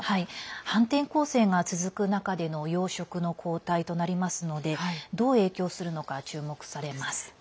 反転攻勢が続く中での要職の交代となりますのでどう影響するのか注目されます。